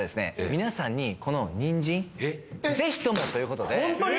皆さんにこのニンジン是非ともということで本当に？